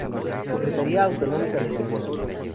Secretaria autonómica del deporte